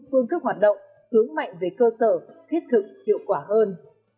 phương thức hoạt động hướng mạnh về cơ sở thiết thực hiệu quả hơn